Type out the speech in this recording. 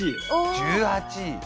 １８位！